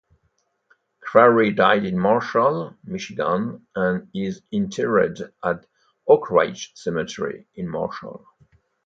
Crary died in Marshall, Michigan and is interred at Oakridge Cemetery in Marshall.